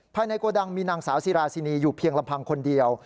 โกดังมีนางสาวซีราชินีอยู่เพียงลำพังคนเดียว